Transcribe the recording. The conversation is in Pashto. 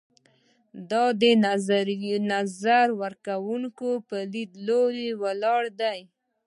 دا د نظریه ورکوونکو پر لیدلورو ولاړ دی.